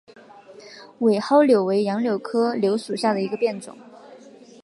伪蒿柳为杨柳科柳属下的一个变种。